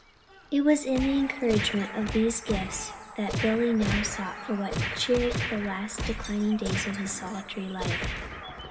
It was in the encouragement of these gifts that Billy now sought for what cheered the last declining days of his solitary life.